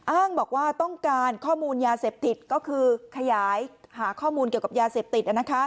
อ้างบอกว่าต้องการข้อมูลยาเสพติดก็คือขยายหาข้อมูลเกี่ยวกับยาเสพติด